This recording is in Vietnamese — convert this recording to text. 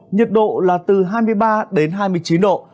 nhiệt độ là từ hai mươi ba đến hai mươi chín độ